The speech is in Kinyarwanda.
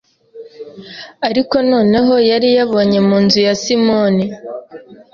Ariko noneho yari yiboncye Mu nzu ya Simoni